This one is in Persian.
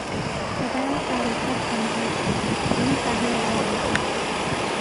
پدر در اتاق تنهاست. به این صحنه نگاه میکند